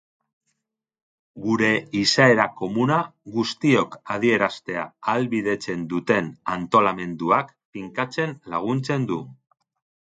Gure izaera komuna guztiok adieraztea ahalbidetzen duten antolamenduak finkatzen laguntzen du.